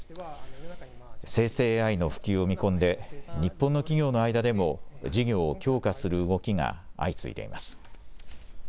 生成ＡＩの普及を見込んで日本の企業の間でも事業を強化する動きが相次いでいます。